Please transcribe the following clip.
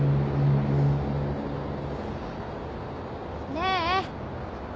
ねえ。